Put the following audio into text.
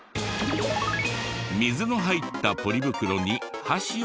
水の入ったポリ袋に箸を刺すと？